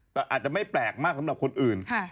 แต่อาจจะไม่แปลกมากสำหรับคนอื่น